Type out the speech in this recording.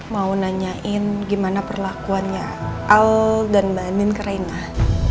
mau nanyain gimana perlakuannya al dan mba nin kerenah